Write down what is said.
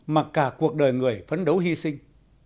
mặc cả cuộc đời người phấn đấu hy sinh